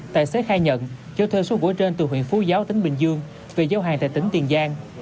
tài xế khai nhận cho thuê số vỗi trên từ huyện phú giáo tỉnh bình dương về giao hàng tại tỉnh tiền giang